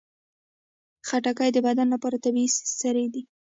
خټکی د بدن لپاره طبیعي سري دي.